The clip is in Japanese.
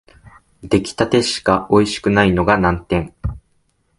出来立てしかおいしくないのが難点